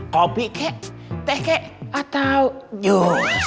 kopi kek teh kek atau nyu